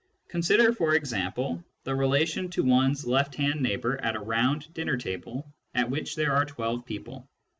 Consider, for example, the relation to one's left hand neighbour at a round dinner table at which there are twelve people.